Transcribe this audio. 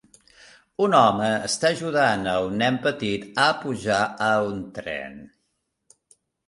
Un home està ajudant a un nen petit a pujar a un tren.